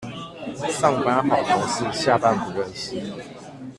上班好同事，下班不認識